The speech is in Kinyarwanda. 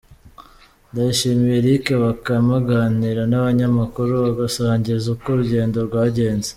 Ndayishimiye Eric Bakame aganira n'abanyamakuru abasangiza uko urugendo rwagenze.